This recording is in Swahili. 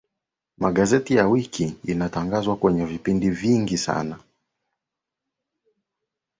magazeti ya wiki inatangazwa kwenye vipindi vingi sana